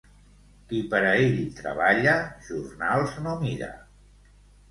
Qui per a ell treballa, jornals no mira.